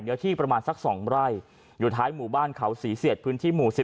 ที่ประมาณสัก๒ไร่อยู่ท้ายหมู่บ้านเขาศรีเสียดพื้นที่หมู่๑๐